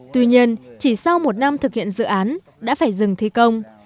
tuy nhiên chỉ sau một năm thực hiện dự án đã phải dừng thi công